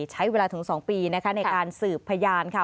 ใช้เวลาถึง๒ปีนะคะในการสืบพยานค่ะ